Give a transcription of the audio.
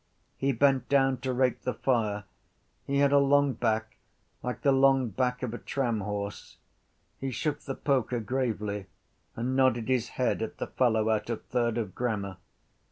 He bent down to rake the fire. He had a long back like the long back of a tramhorse. He shook the poker gravely and nodded his head at the fellow out of third of grammar.